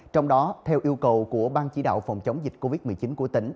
trong đó theo yêu cầu của ban chỉ đạo phòng chống dịch covid một mươi chín của tỉnh